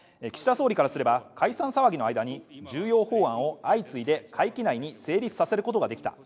総理からすれば、解散騒ぎの間に重要法案を相次いで会期内に成立させることができた。